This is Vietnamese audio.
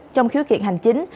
trong khiếu kiện hành chính